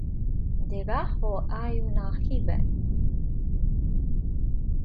Debajo hay un aljibe.